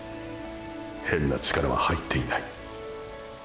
変な力は入っていない。